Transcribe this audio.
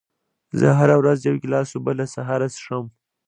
زه هره ورځ یو ګیلاس اوبه له سهاره څښم.